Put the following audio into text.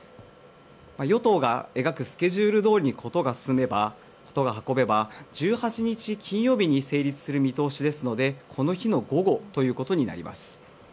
与党が描くスケジュールどおりに事が運べば１８日金曜日に成立する見通しですのでこの日の午後ということになります。